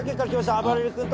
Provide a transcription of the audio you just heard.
あばれる君と。